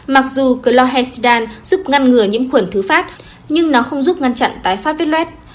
mặc dù chlorhexidine giúp ngăn ngừa nhiễm khuẩn thứ phát nhưng nó không giúp ngăn chặn tái phát với lết